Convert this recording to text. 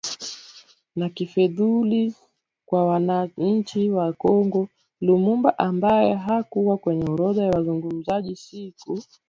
ya kifedhuli kwa wananchi wa Kongo Lumumba ambaye hakuwa kwenye orodha ya wazungumzaji siku